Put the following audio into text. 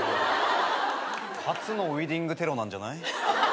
初のウエディングテロなんじゃない？